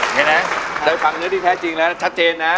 นี่นะได้ฟังเนื้อที่แท้จริงแล้วชัดเจนนะ